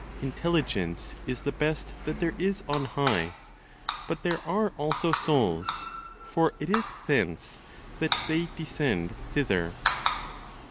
Intelligence is the best that there is on high; but there are also souls; for it is thence that they descended thither.